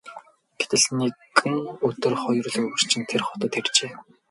Гэтэл нэгэн өдөр хоёр луйварчин тэр хотод иржээ.